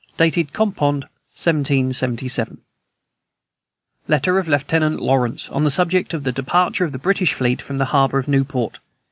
Dated Crompond, 1777. Letter of Lieutenant Lawrence on the subject of the departure of the British fleet from the harbor of Newport.